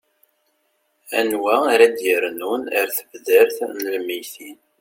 anwa ara d-yernun ar tebdart n lmeyytin